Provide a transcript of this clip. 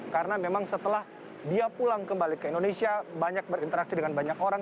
karena memang setelah dia pulang kembali ke indonesia banyak berinteraksi dengan banyak orang